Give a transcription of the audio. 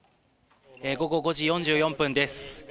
午後５時４４分です。